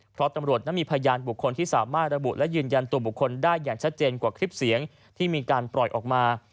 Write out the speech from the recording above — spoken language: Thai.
เพราะตำรวจนั้นมีพยานบุคคลที่สามารถระบุและยืนยันตัวบุคคลได้อย่างชัดเจนกว่าคลิปเสียงที่มีการปล่อยออกมา